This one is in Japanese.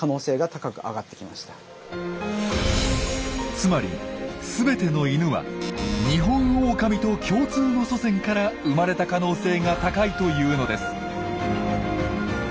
つまりすべてのイヌはニホンオオカミと共通の祖先から生まれた可能性が高いというのです。